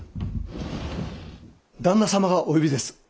旦那様がお呼びです。